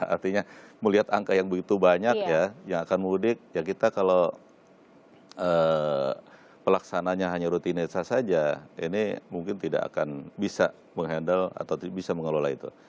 artinya melihat angka yang begitu banyak ya yang akan mudik ya kita kalau pelaksananya hanya rutinitas saja ini mungkin tidak akan bisa menghandle atau bisa mengelola itu